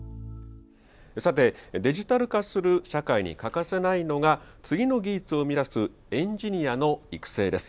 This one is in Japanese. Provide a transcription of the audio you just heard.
さてデジタル化する社会に欠かせないのが次の技術を生み出すエンジニアの育成です。